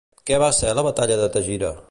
Què va ser la Batalla de Tegira?